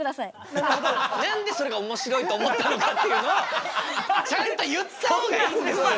何でそれがおもしろいと思ったのかっていうのをちゃんと言った方がいいんですよ。